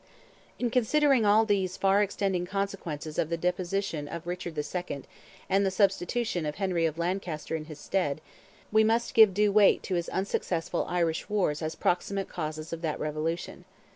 In considering all these far extending consequences of the deposition of Richard II., and the substitution of Henry of Lancaster in his stead, we must give due weight to his unsuccessful Irish wars as proximate causes of that revolution.